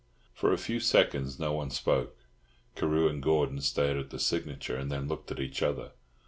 For a few seconds no one spoke. Carew and Gordon stared at the signature, and then looked at each other.